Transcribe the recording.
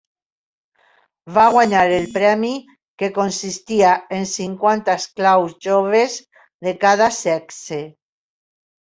Va guanyar el premi, que consistia en cinquanta esclaus joves de cada sexe.